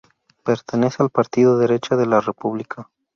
Pertenece al partido Derecha de la República.